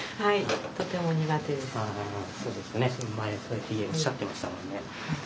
前もそうやっておっしゃってましたもんね。